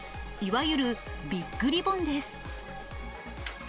いわゆるビッグリボンです。